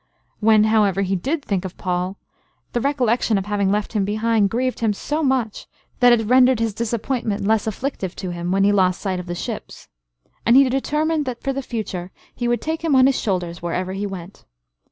When, however, he did think of Poll, the recollection of having left him behind, grieved him so much, that it rendered his disappointment less afflictive to him, when he lost sight of the ships; and he determined, that for the future, he would take him on his shoulders wherever he went.